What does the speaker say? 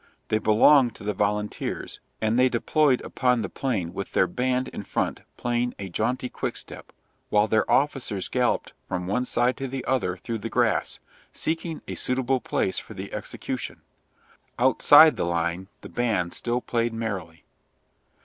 They belonged to the volunteers, and they deployed upon the plain with their band in front playing a jaunty quickstep, while their officers galloped from one side to the other through the grass, seeking a suitable place for the execution. Outside the line the band still played merrily.